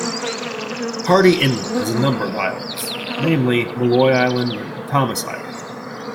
Hardy Inlet has a number of islands - namely Molloy Island and Thomas Island.